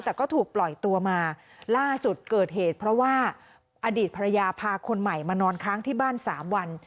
แต่ก็ถูกปล่อยตัวมาล่าสุดเกิดเหตุเพราะว่าอดีตภรรยาพาคนใหม่มานอนค้างที่บ้านสามวัน